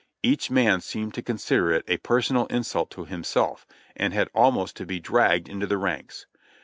Each man seemed to consider it a personal insult to himself, and had almost to be dragged into the ranks.